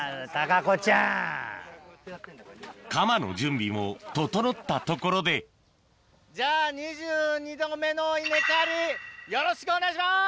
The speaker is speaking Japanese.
カマの準備も整ったところでじゃあ２２度目の稲刈りよろしくお願いします！